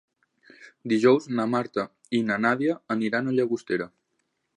Dijous na Marta i na Nàdia aniran a Llagostera.